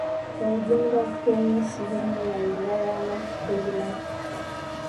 kwa ujumla kwenye sehemu za wilaya ama kwingineko